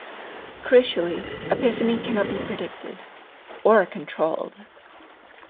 Crucially, epiphany cannot be predicted, or controlled.